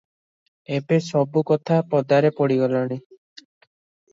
ଏବେ ସବୁ କଥା ପଦାରେ ପଡିଗଲାଣି ।